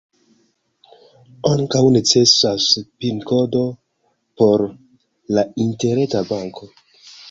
Ankaŭ necesas pin-kodo por la interreta banko.